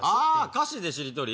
歌詞でしりとり！